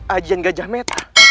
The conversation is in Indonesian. ajan gajah mata